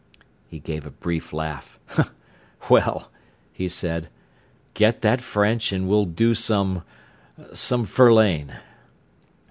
He gave a brief laugh. "Well," he said, "get that French and we'll do some—some Verlaine."